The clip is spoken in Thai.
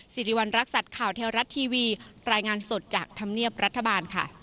สิริวัณรักษัตริย์ข่าวเทวรัฐทีวีรายงานสดจากธรรมเนียบรัฐบาลค่ะ